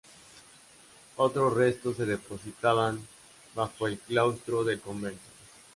Otros restos se depositaban bajo el claustro del convento.